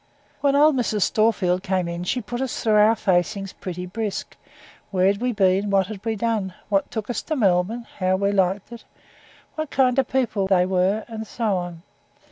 When old Mrs. Storefield came in she put us through our facings pretty brisk where we'd been, what we'd done? What took us to Melbourne, how we liked it? What kind of people they were? and so on.